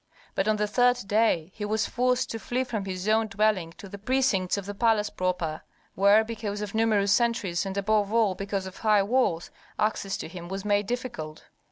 But on the third day he was forced to flee from his own dwelling to the precincts of the palace proper, where, because of numerous sentries and above all because of high walls, access to him was made difficult.